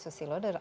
terima kasih lodha